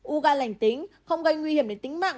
u gan lành tính không gây nguy hiểm đến tính mạng